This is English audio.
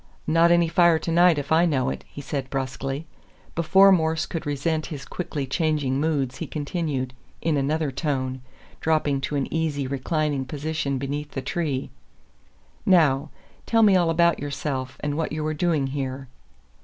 "Not any fire tonight if I know it," he said, brusquely. Before Morse could resent his quickly changing moods he continued, in another tone, dropping to an easy reclining position beneath the tree, "Now, tell me all about yourself, and what you are doing here."